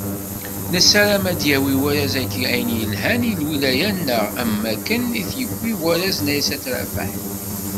Nessarem ad d-yawi warraz-agi ayen yelhan i lwilaya-nneɣ, am wakken i t-yewwi warraz n Aysat Rabaḥ.